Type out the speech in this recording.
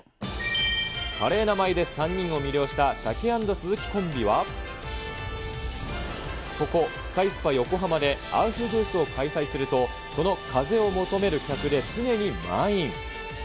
華麗な舞いで３人を魅了した、鮭＆鱸コンビは、ここスカイスパ横浜でアウフグースを開催すると、その風を求める客で常に満員。